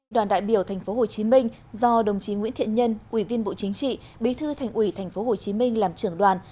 đoàn đại biểu tp hcm do đồng chí nguyễn thiện nhân ủy viên bộ chính trị bí thư thành ủy tp hcm làm trưởng đoàn